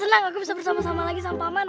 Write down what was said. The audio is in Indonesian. senang aku bisa bersama sama lagi sama mana